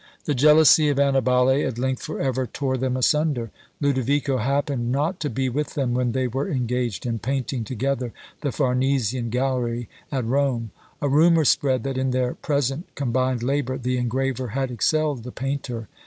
The jealousy of Annibale at length for ever tore them asunder. Lodovico happened not to be with them when they were engaged in painting together the Farnesian gallery at Rome. A rumour spread that in their present combined labour the engraver had excelled the painter.